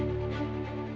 terima kasih selama ini